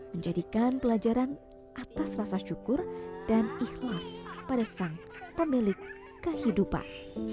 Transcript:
menjadikan pelajaran atas rasa syukur dan ikhlas pada sang pemilik kehidupan